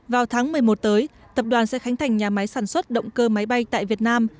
vào tháng một mươi một tới tập đoàn sẽ khánh thành nhà máy sản xuất động cơ máy bay tại việt nam